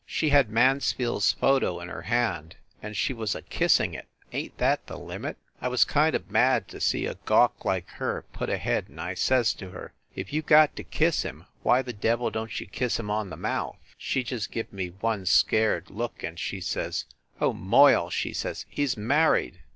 She had Mansfield s photo in her hand, and she was a kissing it. Ain t that the limit? I was kind of mad to see a gawk like her put ahead and I says to her, "If you got to kiss him, why the devil don t you kiss him on the mouth?" She just give me one scared look, and she says, "Oh, Moyle," she says, "he s married!"